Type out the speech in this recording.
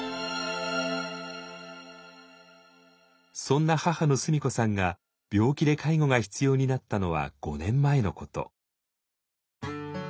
そんな母の須美子さんが病気で介護が必要になったのは５年前のこと。